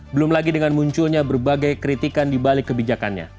belum lagi dengan munculnya berbagai kritikan dibalik kebijakannya